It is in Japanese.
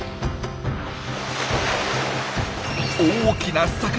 大きな魚！